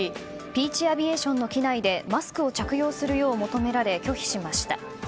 ピーチ・アビエーションの機内でマスクを着用するよう求められ拒否しました。